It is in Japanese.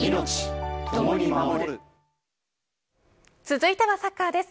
続いてはサッカーです。